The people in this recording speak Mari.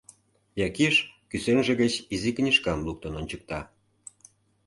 Якиш кӱсенже гыч изи книжкам луктын ончыкта: